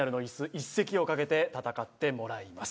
１席をかけて戦ってもらいます